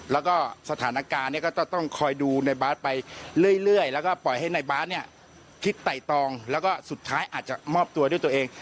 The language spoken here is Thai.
แล้วก็สถานการณ์เนี่ยก็ต้องคอยดูในบาสไปเรื่อยแล้วก็ปล่อยให้นายบาทเนี่ยคิดไต่ตองแล้วก็สุดท้ายอาจจะมอบตัวด้วยตัวเอง